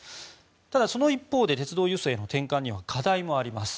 ただその一方で鉄道輸送への転換には課題もあります。